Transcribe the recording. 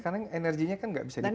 karena energinya kan gak bisa dipakai